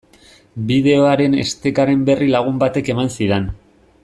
Bideoaren estekaren berri lagun batek eman zidan.